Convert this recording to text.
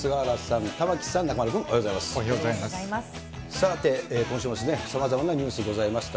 さて、今週もさまざまなニュースございました。